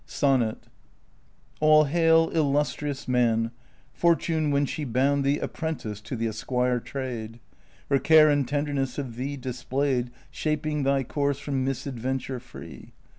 SONNET. All hail, illustrious man ! Fortune, when she Bound thee apprentice to the esquire trade, Her care and tenderness of thee displayed, Shaping thy course from misadventure free.